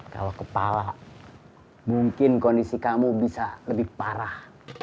kalau kepala mungkin kondisi kamu bisa lebih parah